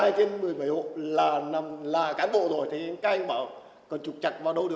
là cán bộ rồi thì các anh bảo còn trục chặt vào đâu được nữa